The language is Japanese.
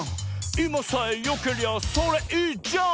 「いまさえよけりゃそれいいじゃん」